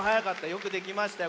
よくできましたよ。